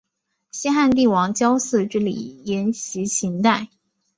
西汉帝王郊祀之礼沿袭秦代。